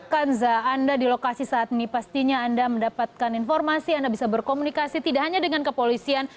kanza anda di lokasi saat ini pastinya anda mendapatkan informasi anda bisa berkomunikasi tidak hanya dengan kepolisian